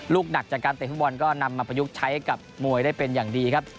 หนักจากการเตะฟุตบอลก็นำมาประยุกต์ใช้กับมวยได้เป็นอย่างดีครับ